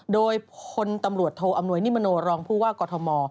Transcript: โดยพลตำรวจโทอำนวยนิมโนรองผู้ว่ากอทม